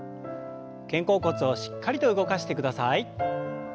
肩甲骨をしっかりと動かしてください。